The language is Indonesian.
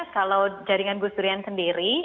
kalau jaringan gus durian sendiri